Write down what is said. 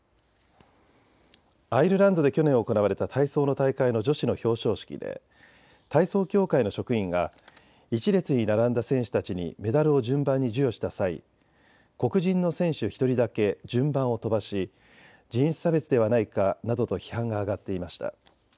アイルランドで去年行われた体操の大会の女子の表彰式で体操協会の職員が１列に並んだ選手たちにメダルを順番に授与した際、黒人の選手１人だけ順番を飛ばし人種差別ではないかなどと批判が上がっていました。